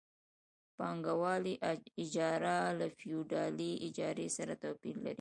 پانګوالي اجاره له فیوډالي اجارې سره توپیر لري